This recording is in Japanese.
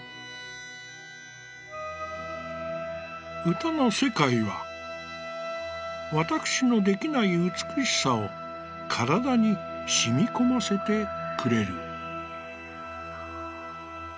「歌の世界はわたくしの出来ない美しさを身体にしみこませてくれる」。